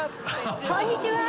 こんにちは！